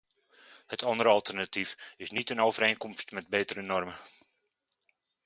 Het andere alternatief is niet een overeenkomst met betere normen.